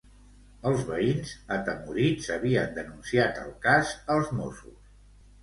Els veïns, atemorits, havien denunciat el cas als Mossos.